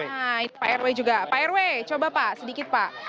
nah pak rw juga pak rw coba sedikit pak